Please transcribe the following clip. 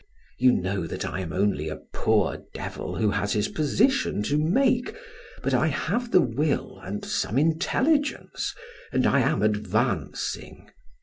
You know that I am only a poor devil, who has his position to make, but I have the will and some intelligence, and I am advancing.